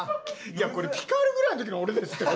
これ『ピカル』ぐらいの時の俺ですって。